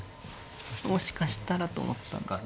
もしかしたらと思ったんですけど。